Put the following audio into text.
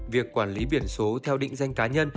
việc quản lý biển số theo định danh cá nhân